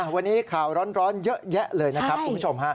วันนี้ข่าวร้อนเยอะแยะเลยนะครับคุณผู้ชม